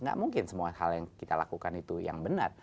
nggak mungkin semua hal yang kita lakukan itu yang benar